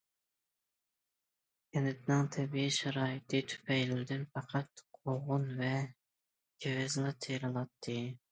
كەنتنىڭ تەبىئىي شارائىتى تۈپەيلىدىن پەقەت قوغۇن ۋە كېۋەزلا تېرىلاتتى.